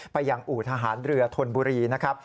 ไปยังอู่ทหารเรือธนบุรีนะครับ